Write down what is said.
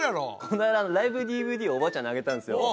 こないだライブＤＶＤをおばあちゃんにあげたんですよ